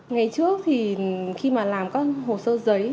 ngày trước thì khi mà làm các hồ sơ giấy